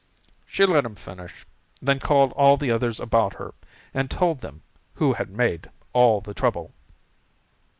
She let him finish, then called all the others about her and told them who had made all the trouble.